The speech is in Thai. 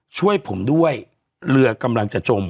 ช่วยผมด้วยเรือกำลังจะจม